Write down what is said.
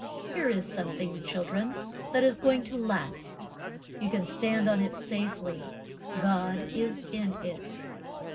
Here is something, children, that is going to last. You can stand on it safely. God is in it.